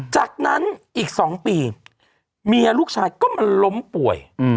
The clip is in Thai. จากนั้นอีก๒ปีเมียลูกชายก็มาล้มป่วย